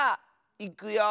いくよ。